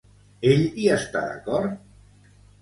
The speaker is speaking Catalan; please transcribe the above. Ell hi està d'acord?